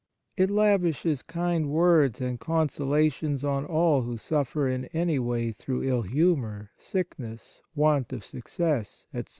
It lavishes kind words and consolations on all who suffer in any way through ill humour, sickness, want of success, etc.